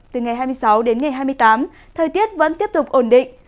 từ ngày hai mươi sáu đến ngày hai mươi tám thời tiết vẫn tiếp tục ổn định